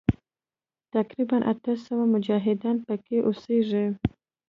تقریباً اته سوه مجاهدین پکې اوسیږي.